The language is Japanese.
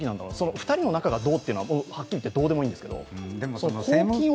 ２人の仲がどうっていうのははっきり言ってどうでもいいんですけど。